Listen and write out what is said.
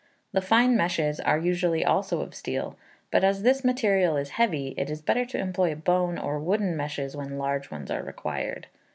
The fine meshes are usually also of steel; but, as this material is heavy, it is better to employ bone or wooden meshes when large ones are required.